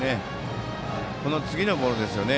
この次のボールですね。